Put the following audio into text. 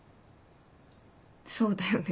そうだよね。